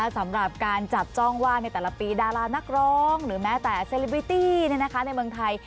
สำหรับการจับจ้องว่าในแต่ละปีดารานักร้องหรือแม้แต่เซลิบิตี้ในเมืองไทย